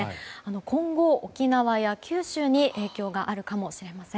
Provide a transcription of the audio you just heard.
今後、沖縄や九州に影響があるかもしれません。